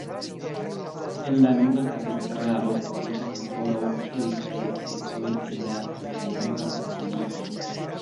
En la nuna katedralo troviĝas ankoraŭ kelkaj pecoj el la malnova baziliko.